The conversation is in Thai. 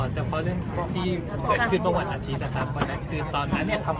แต่เราหน่วยงานของรัฐ